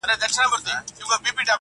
o په توره کار دومره سم نسي مگر,